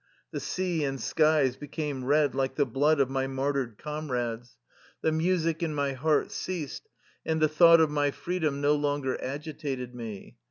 The sea and skies became red like the blood of my martyred comrades. The music in my heart ceased, and the thought of my freedom no longer agitated me.